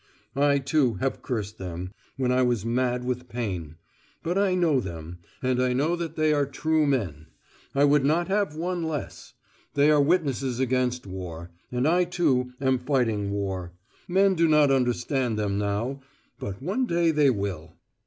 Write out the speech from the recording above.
I, too, have cursed them, when I was mad with pain. But I know them, and I know that they are true men. I would not have one less. They are witnesses against war. And I, too, am fighting war. Men do not understand them now, but one day they will.